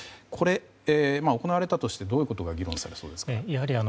これ、行われたとしてどういうことが議論されそうですか。